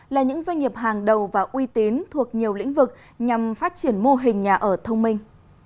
là những doanh nghiệp hàng đầu và uy tín thuộc nhiều lĩnh vực nhằm phát triển mô hình nhà ở thông minh